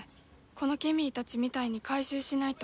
このケミーたちみたいに回収しないと。